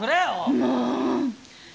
もう！